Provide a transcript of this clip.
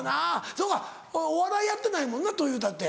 そうかお笑いやってないもんなというたって。